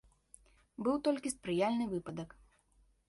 Быў толькі спрыяльны выпадак.